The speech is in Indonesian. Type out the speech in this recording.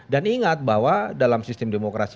dan ingat bahwa dalam sistem demokrasi